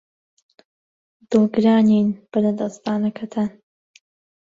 دڵگرانین بە لەدەستدانەکەتان.